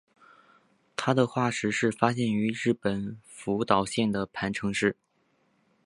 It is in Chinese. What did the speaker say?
它的化石是发现于日本福岛县的磐城市。